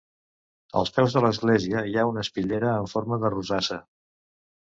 Als peus de l'església hi ha una espitllera en forma de rosassa.